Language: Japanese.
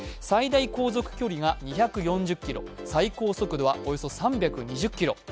最大航続距離が２４０ｋｍ、最高速度はおよそ３２０キロ